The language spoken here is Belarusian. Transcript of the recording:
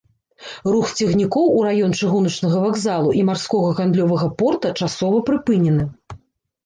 Рух цягнікоў у раён чыгуначнага вакзалу і марскога гандлёвага порта часова прыпынена.